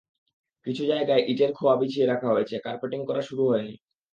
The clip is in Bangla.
কিছু জায়গায় ইটের খোয়া বিছিয়ে রাখা হয়েছে, কার্পেটিং করা শুরু হয়নি।